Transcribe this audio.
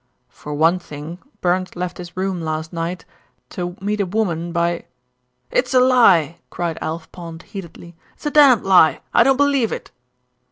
"For one thing, Burns left his room last night to meet a woman by " "It's a lie!" cried Alf Pond heatedly. "It's a damned lie! I don't believe it."